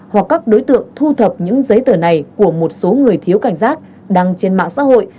hoặc các đối tượng thu thập những giấy tờ này của một số người thiếu cảnh giác đăng trên mạng xã hội